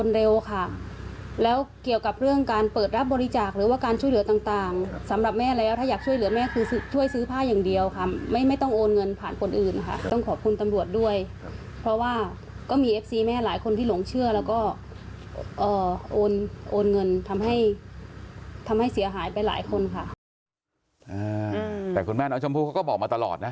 แต่คุณแม่น้องชมพู่เขาก็บอกมาตลอดนะ